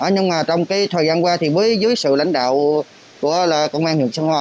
nhưng mà trong cái thời gian qua thì với dưới sự lãnh đạo của công an huyện sơn hòa